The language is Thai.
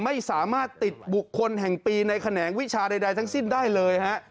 ไม่สามารถติดบุคคลแห่งปีในแขนงวิชาใดทั้งสิ้นได้เลยฮะ